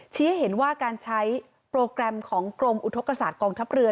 เห็นว่าการใช้โปรแกรมของกรมอุทธกษาตกองทัพเรือ